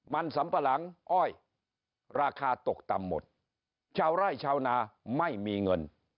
มันสำปะหลังอ้อยราคาตกต่ำหมดชาวไร่ชาวนาไม่มีเงิน